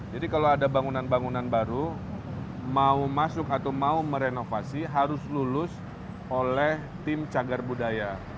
jadi kalau ada bangunan bangunan baru mau masuk atau mau merenovasi harus lulus oleh tim cagar budaya